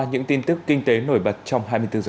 những tin tức kinh tế nổi bật trong hai mươi bốn giờ qua